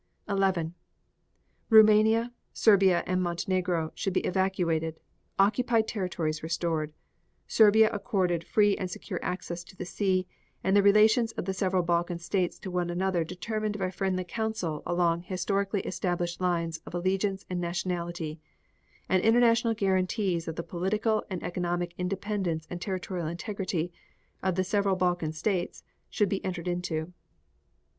11. Roumania, Serbia and Montenegro should be evacuated, occupied territories restored; Serbia accorded free and secure access to the sea, and the relations of the several Balkan States to one another determined by friendly counsel along historically established lines of allegiance and nationality; and international guarantees of the political and economic independence and territorial integrity, of the several Balkan States, should be entered into.